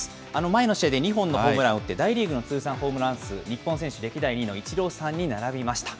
前の試合で２本のホームランを打って、大リーグの通算ホームラン数、日本選手で歴代２位のイチローさんに並びました。